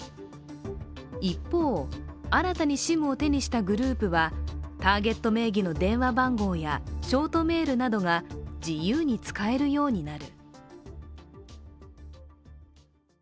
一方、新たにＳＩＭを手にしたグループはターゲット名義の電話番号やショートメールなどが自由に使えるようになる。